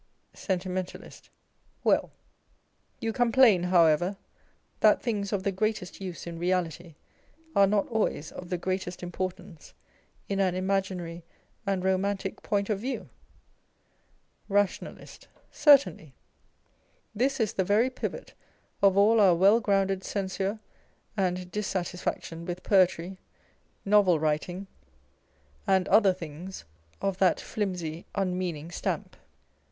Sentimentalist. Well : you complain, however, that things of tho greatest use in reality are not always of the greatest importance in an imaginary and romantic point of view '? Rationalist. Certainly ; this is the very pivot of all our well grounded censure and dissatisfaction with poetry, novel writing, and other things of that flimsy unmeaning stamp.